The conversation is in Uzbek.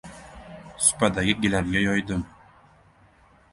Supadagi gilamga yoydim.